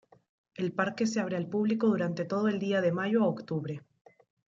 El parque se abre al público durante todo el día de mayo a octubre.